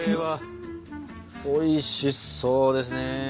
おいしそうですね。